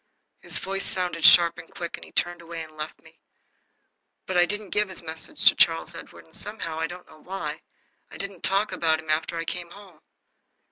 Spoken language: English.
His voice sounded sharp and quick, and he turned away and left me. But I didn't give his message to Charles Edward, and somehow, I don't know why, I didn't talk about him after I came home.